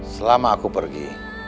selama aku pergi